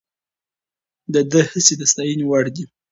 د ده هڅې د ستاینې وړ دي.